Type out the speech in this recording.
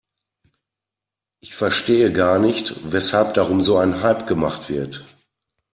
Ich verstehe gar nicht, weshalb darum so ein Hype gemacht wird.